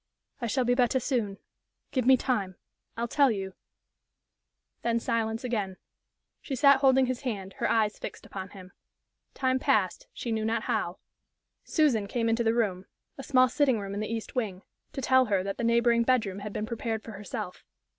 "I shall be better soon. Give me time. I'll tell you " Then silence again. She sat holding his hand, her eyes fixed upon him. Time passed, she knew not how. Susan came into the room a small sitting room in the east wing to tell her that the neighboring bedroom had been prepared for herself.